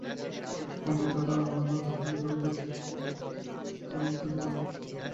যখন পঞ্চেন্দ্রিয় দ্বারা আমরা তাঁহাকে ধরিতে চাই, তখনই তাঁহাকে ব্যক্তিভাবাপন্ন সাকাররূপে দেখিতে পাই।